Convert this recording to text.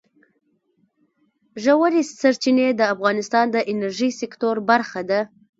ژورې سرچینې د افغانستان د انرژۍ سکتور برخه ده.